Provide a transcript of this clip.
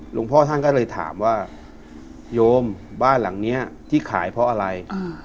หลวงพ่อท่านก็เลยถามว่าโยมบ้านหลังนี้ที่ขายเพราะอะไร